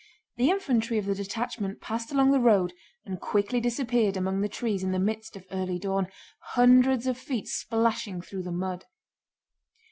The infantry of the detachment passed along the road and quickly disappeared amid the trees in the mist of early dawn, hundreds of feet splashing through the mud.